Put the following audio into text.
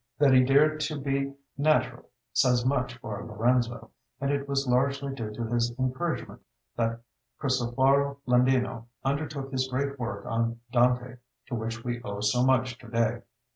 That he dared to be natural says much for Lorenzo, and it was largely due to his encouragement that Cristoforo Landino undertook his great work on "Dante," to which we owe so much to day.